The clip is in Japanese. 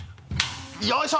よいしょ！